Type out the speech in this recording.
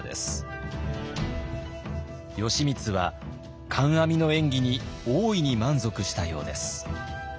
義満は観阿弥の演技に大いに満足したようです。